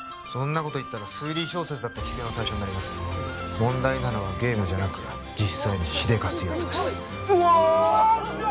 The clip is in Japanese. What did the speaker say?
そんなこといったら推理小説だって規制の対象になります問題なのはゲームじゃなく実際にしでかすやつです